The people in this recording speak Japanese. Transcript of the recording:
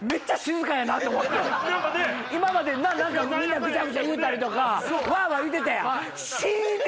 今までぐちゃぐちゃ言うたりとかわわ言うてたやん。